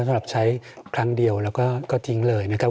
สำหรับใช้ครั้งเดียวแล้วก็ทิ้งเลยนะครับ